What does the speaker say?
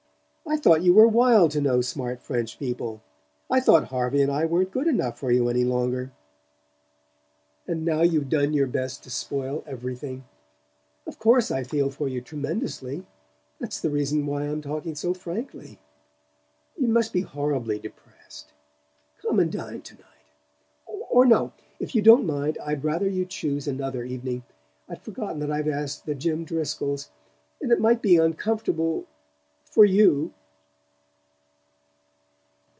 I thought you were wild to know smart French people; I thought Harvey and I weren't good enough for you any longer. And now you've done your best to spoil everything! Of course I feel for you tremendously that's the reason why I'm talking so frankly. You must be horribly depressed. Come and dine to night or no, if you don't mind I'd rather you chose another evening. I'd forgotten that I'd asked the Jim Driscolls, and it might be uncomfortable for YOU...."